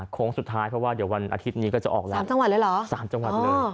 โค้งสุดท้ายเพราะว่าเดี๋ยววันอาทิตย์นี้ก็จะออกแล้ว